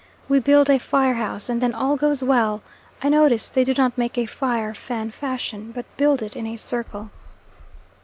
We build a fire house and then all goes well. I notice they do not make a fire Fan fashion, but build it in a circle.